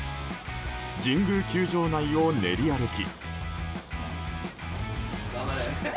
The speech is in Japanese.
神宮球場内を練り歩き。